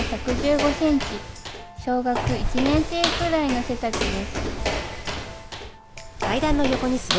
小学１年生くらいの背丈です。